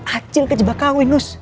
acil kejebak kawin nus